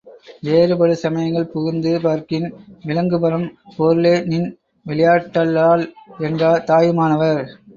வேறுபடு சமயங்கள் புகுந்து பார்க்கின் விளங்குபரம் பொருளேநின் விளையாட் டல்லால் என்றார் தாயுமானவர்.